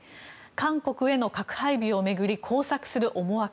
韓国への核配備を巡り交錯する思惑。